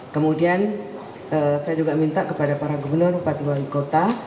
kemudian saya juga minta kepada para gubernur bupati wali kota